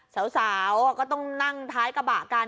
สาวก็ต้องนั่งท้ายกระบะกัน